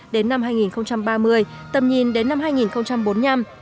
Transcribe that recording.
đến năm hai nghìn ba mươi tầm nhìn đến năm hai nghìn bốn mươi năm